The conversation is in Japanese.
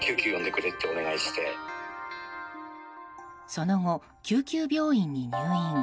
その後、救急病院に入院。